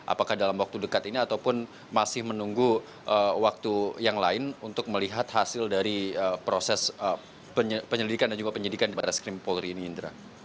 apakah dalam waktu dekat ini ataupun masih menunggu waktu yang lain untuk melihat hasil dari proses penyelidikan dan juga penyidikan di barat skrim polri ini indra